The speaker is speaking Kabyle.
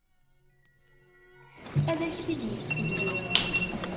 Ad ak-t-id-yessegzu.